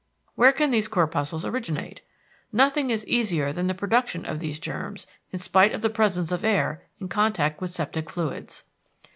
Where can these corpuscles originate? Nothing is easier than the production of these germs, in spite of the presence of air in contact with septic fluids.